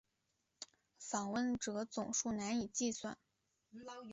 访问者总数难以计算。